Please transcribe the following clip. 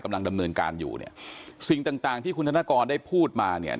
กำลังดำเนินการอยู่เนี่ยสิ่งต่างต่างที่คุณธนกรได้พูดมาเนี่ย